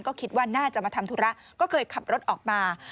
ก็คิดว่าน่าจะมาทำธุระก็เคยขับรถออกมา